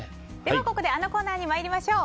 ここであのコーナーに参りましょう。